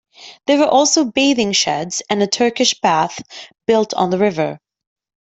There were also bathing sheds and a Turkish Bath built on the river.